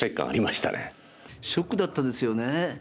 ショックだったですよね。